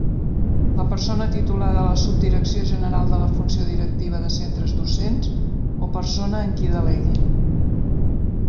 La persona titular de la Subdirecció general de la Funció Directiva de Centres Docents o persona en qui delegui.